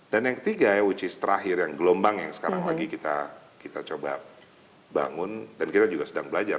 dan yang ketiga which is terakhir yang gelombang yang sekarang lagi kita coba bangun dan kita juga sedang belajar